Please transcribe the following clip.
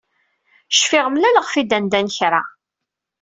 Cfiɣ mlaleɣ-t-id anda n kra.